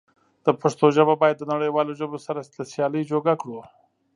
د پښتو ژبه بايد د نړيوالو ژبو سره د سيالی جوګه کړو.